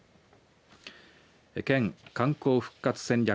県観光復活戦略